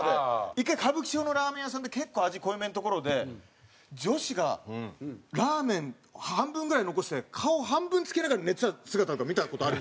１回歌舞伎町のラーメン屋さんで結構味濃いめの所で女子がラーメン半分ぐらい残して顔半分つけながら寝てた姿とか見た事あるんですよ。